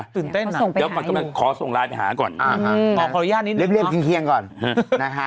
ตื่นเต้นอ่ะเดี๋ยวขอส่งไลน์ไปหาก่อนอ่าขออนุญาตนิดนึงนะเรียบเคียงก่อนนะฮะ